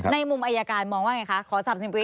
ในมุมอัยการมองว่าไงคะขอสอบซิมปุ๊ก